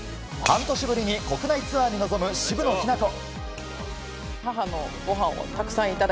半年ぶりに国内ツアーに臨む渋野日向子。